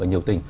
ở nhiều tỉnh